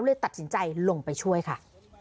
เลยตัดสินใจลงไปช่วยค่ะ